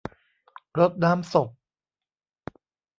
รดน้ำศพ